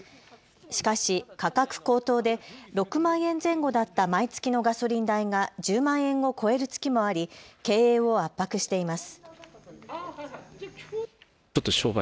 しかし価格高騰で６万円前後だった毎月のガソリン代が１０万円を超える月もあり経営を圧迫しています。